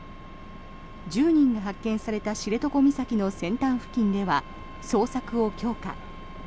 １０人が発見された知床岬の先端付近では捜索を強化。